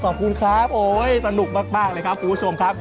โอ๊ยสนุกมากเลยครับคุณผู้ชมครับ